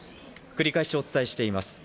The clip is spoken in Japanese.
繰り返し、お伝えしています。